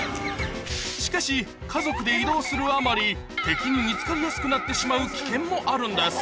しかし家族で移動するあまり敵に見つかりやすくなってしまう危険もあるんです